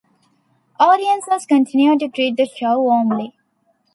Audiences continued to greet the show warmly.